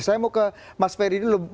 saya mau ke mas ferry dulu